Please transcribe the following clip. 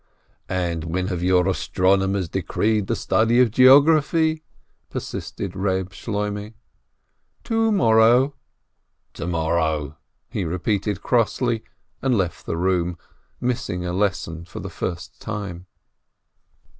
"And when have 'your* astronomers decreed the study of geography ?" persisted Reb Shloimeh. "To morrow." "To morrow !" he repeated crossly, and left the room, missing a lesson for the first time.